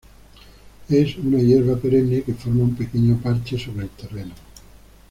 Es una hierba perenne que forma un pequeño parche sobre el terreno.